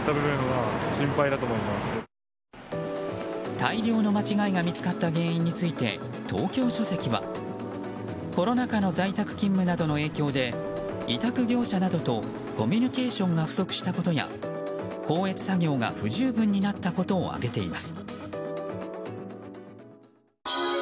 大量の間違いが見つかった原因について東京書籍はコロナ禍の在宅勤務などの影響で委託業者などとコミュニケーションが不足したことや校閲作業が不十分になったことを挙げています。